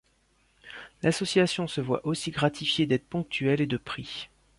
L'association se voit aussi gratifier d'aide ponctuelle et de prix.